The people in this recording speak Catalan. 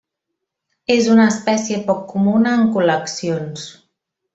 És una espècie poc comuna en col·leccions.